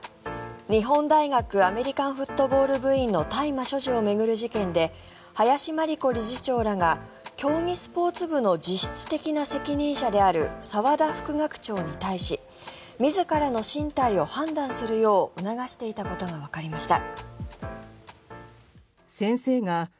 日本大学アメリカンフットボール部員の大麻所持を巡る事件で林真理子理事長らが競技スポーツ部の実質的な責任者である澤田副学長に対し自らの進退を判断するよう促していたことがわかりました。